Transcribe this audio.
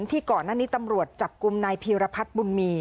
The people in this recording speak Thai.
ที่ก่อนหน้านี้ตำรวจจับกลุ่มนายพีรพัฒน์บุญมี